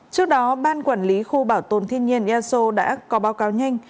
trước đó ban quản lý khu bảo tồn thiên nhiên eso đã có báo cáo nhanh